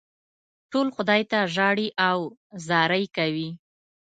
ټول خدای ته ژاړي او زارۍ کوي.